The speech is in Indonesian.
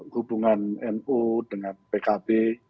hubungan nu dengan pkb